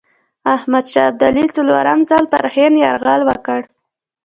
احمدشاه ابدالي څلورم ځل پر هند یرغل وکړ.